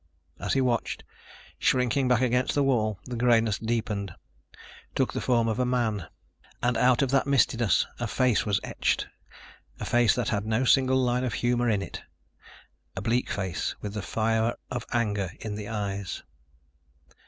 As he watched, shrinking back against the wall, the grayness deepened, took the form of a man. And out of that mistiness a face was etched, a face that had no single line of humor in it, a bleak face with the fire of anger in the eyes.